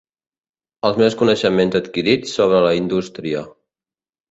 Els meus coneixements adquirits sobre la indústria.